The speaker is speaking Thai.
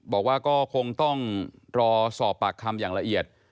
บอกว่าก็คงต้องรอสอบปากคำอย่างละเอียด